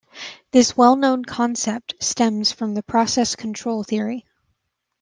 This well-known concept stems from Process Control Theory.